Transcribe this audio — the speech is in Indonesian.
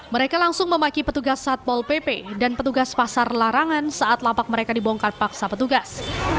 mereka langsung memaki petugas satpol pp dan petugas pasar larangan saat lapak mereka dibongkar paksa petugas